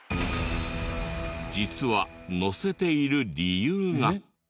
実はのせている理由が。